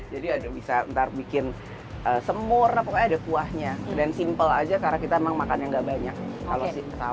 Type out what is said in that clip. jadi bisa ntar bikin semur pokoknya ada kuahnya dan simple aja karena kita emang makannya gak banyak kalau sih sahur